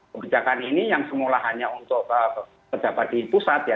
kebijakan ini yang semula hanya untuk pejabat di pusat ya